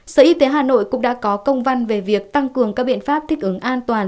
sở y tế hà nội cũng đã có công văn về việc tăng cường các biện pháp thích ứng an toàn